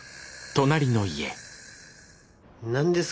何です？